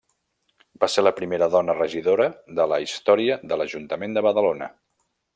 Va ser la primera dona regidora de la història de l'Ajuntament de Badalona.